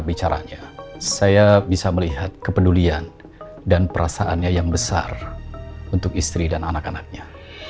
bicaranya saya bisa melihat kepedulian dan perasaannya yang besar untuk istri dan anak anaknya